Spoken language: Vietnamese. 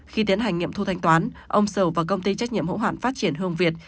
khi tiến hành nghiệm thu thanh toán ông xỉu và công ty trách nhiệm hỗn hoạn phát triển hương việt